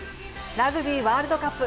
ラグビーワールドカップ。